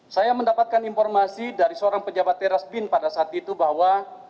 saya mendapatkan informasi dari seorang pejabat teras bin pada saat itu bahwa